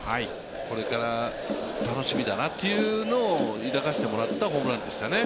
これから楽しみだなというのを抱かせてもらったホームランでしたね。